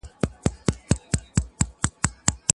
اوس به څوك راويښوي زاړه نكلونه.